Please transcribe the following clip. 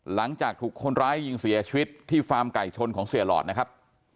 หลังจากถูกคนร้ายยิงเสียชีวิตที่ฟาร์มไก่ชนของเสียหลอดนะครับ